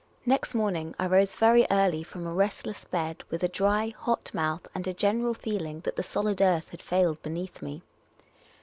Next morning, I rose very early from a restless bed with a dry, hot mouth, and a general feeling that the solid earth had failed beneath me.